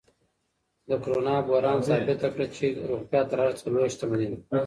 د کرونا بحران ثابت کړه چې روغتیا تر هر څه لویه شتمني ده.